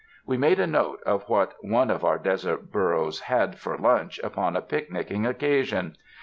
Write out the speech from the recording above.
We made a note of what one of our desert burros had for lunch upon a picnicking occasion.